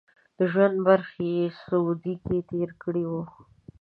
د ژوند برخه یې سعودي کې تېره کړې وه.